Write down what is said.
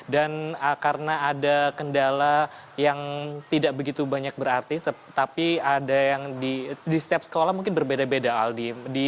dan karena ada kendala yang tidak begitu banyak berarti tapi ada yang di setiap sekolah mungkin berbeda beda aldi